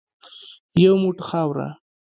یو موټ خاوره .